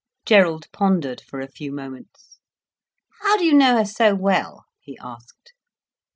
Gerald pondered for a few moments. "How do you know her so well?" he asked.